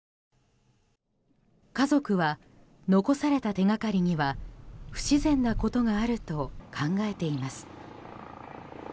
家族は、残された手掛かりには不自然なことがあると考えています。